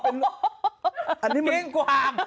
นี่คุณใส่เสื้ออะไร